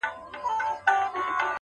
اول بخښنه درڅه غواړمه زه~